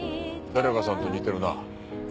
誰かさんと似てるな。